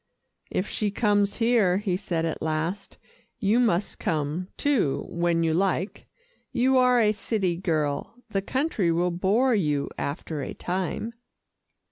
"If she comes here," he said at last, "you must come, too, when you like. You are a city girl, the country will bore you after a time."